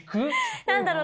何だろう？